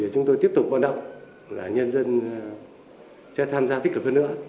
chúng tôi tiếp tục hoạt động là nhân dân sẽ tham gia thích cực hơn nữa